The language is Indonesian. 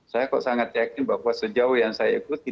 saya kok sangat yakin bahwa sejauh yang saya ikuti